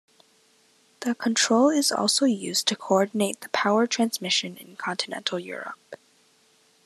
This control is also used to coordinate the power transmission in continental Europe.